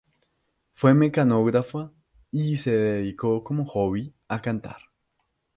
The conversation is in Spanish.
Fue mecanógrafa y se dedicó, como hobby, a cantar.